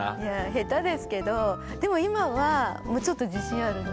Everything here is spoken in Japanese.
下手ですけどでも今はもうちょっと自信あるね。